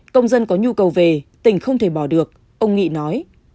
công dân có nhu cầu về tỉnh không thể bỏ được ông nghị nói